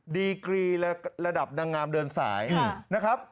ดีกรีระดับนางงามเดินสายนะครับ